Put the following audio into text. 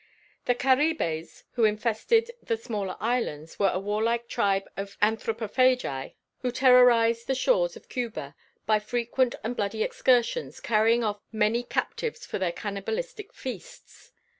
The Caribes, who infested the smaller islands, were a warlike tribe of anthropophagi who terrorized the shores of Cuba by frequent and bloody excursions, carrying off many captives for their cannibalistic feasts.